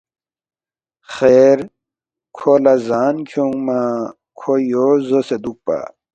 خیر کھو لہ زان کھیونگما کھو یو زوسے دُوکپا